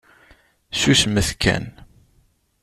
Susmet kan.